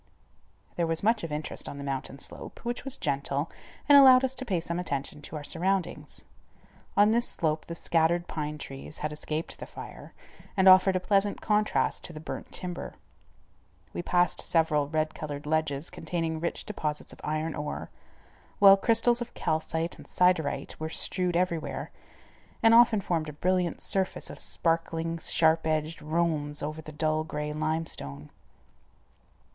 There was much of interest on the mountain slope, which was gentle, and allowed us to pay some attention to our surroundings. On this slope the scattered pine trees had escaped the fire and offered a pleasant contrast to the burnt timber. We passed several red colored ledges containing rich deposits of iron ore, while crystals of calcite and siderite were strewed everywhere, and often formed a brilliant surface of sparkling, sharp edged rhombs over the dull gray limestone.